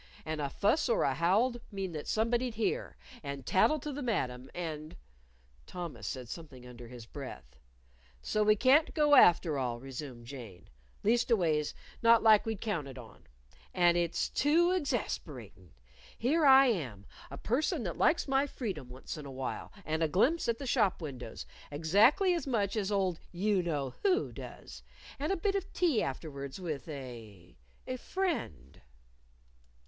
And a fuss or a howl'd mean that somebody'd hear, and tattle to the Madam, and " Thomas said something under his breath. "So we can't go after all," resumed Jane; " leastways not like we'd counted on. And it's too exasperatin'. Here I am, a person that likes my freedom once in a while, and a glimpse at the shop windows, exactly as much as old you know who does and a bit of tea afterwards with a a friend."